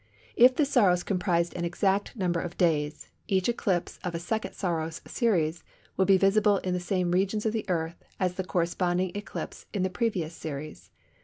If the Saros comprised an exact number of days, each eclipse of a second Saros series would be visible in the same regions of the Earth as the corresponding eclipse in the previous series.